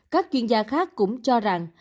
các chuyên gia khác cũng cho rằng